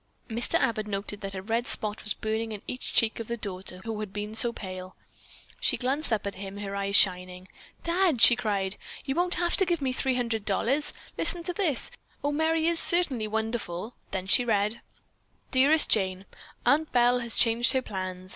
Mr. Abbott noted that a red spot was burning in each cheek of the daughter who had been so pale. She glanced up at him, her eyes shining. "Dad," she cried, "you won't have to give me $300. Listen to this. Oh, Merry is certainly wonderful!" Then she read: "Dearest Jane: Aunt Belle has changed her plans.